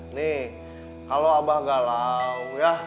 nih kalau abah galau ya